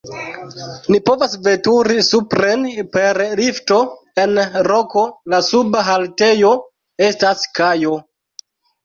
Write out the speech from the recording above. Ni povas veturi supren per lifto en roko, la suba haltejo estas kajo.